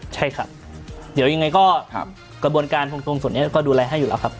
ใช่ครับเดี๋ยวยังไงก็กระบวนการทรงส่วนนี้ก็ดูแลให้อยู่แล้วครับ